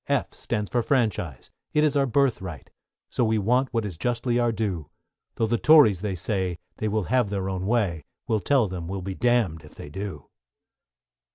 =F= stands for Franchise, it is our birthright, So we want what is justly our due; Tho' the Tories they say, they will have their own way, We'll tell them, we'll be damn'd if they do.